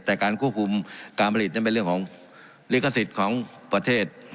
แต่การควบคุมการผลิตนั้นเป็นเรื่องของลิขสิทธิ์ของประเทศ